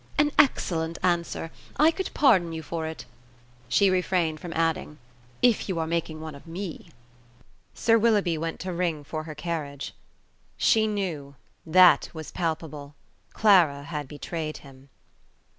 "An excellent answer. I could pardon you for it." She refrained from adding, "If you are making one of me." Sir Willoughby went to ring for her carriage. She knew. That was palpable: Clara had betrayed him.